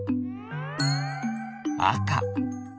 あか。